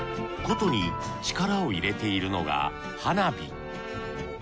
ことに力を入れているのが花火。